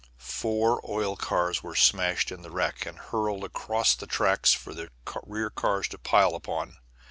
Four oil cars were smashed in the wreck and hurled across the tracks for the rear cars to pile up on.